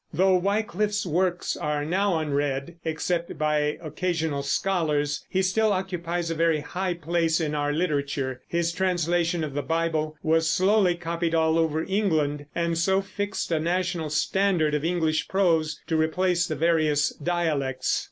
Though Wyclif's works are now unread, except by occasional scholars, he still occupies a very high place in our literature. His translation of the Bible was slowly copied all over England, and so fixed a national standard of English prose to replace the various dialects.